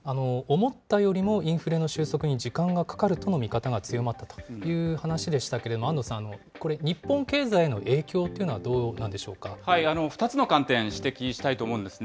思ったよりもインフレの収束に時間がかかるとの見方が強まったという話でしたけれども、安藤さん、これ、日本経済への影響と２つの観点、指摘したいと思うんですね。